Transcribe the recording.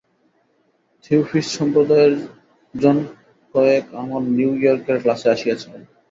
Theosophist সম্প্রদায়ের জনকয়েক আমার new ইয়র্কের ক্লাসে আসিয়াছিলেন।